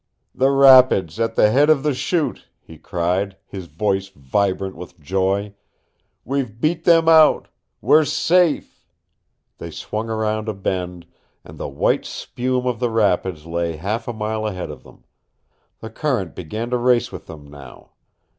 "The rapids at the head of the Chute!" he cried, his voice vibrant with joy. "We've beat them out. WE'RE SAFE!" They swung around a bend, and the white spume of the rapids lay half a mile ahead of them. The current began to race with them now.